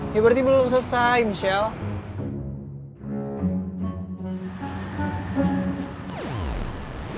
ya berarti belum selesai michelle